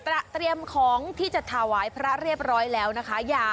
เตรียมของที่จะถวายพระเรียบร้อยแล้วนะคะ